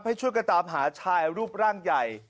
ให้ช่วยกันตามหาชายรูปร่างใหญ่